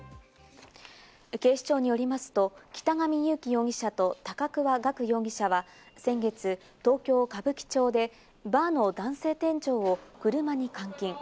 警視庁によりますと北上優樹容疑者と高桑岳容疑者は先月、東京・歌舞伎町でバーの男性店長を車に監禁。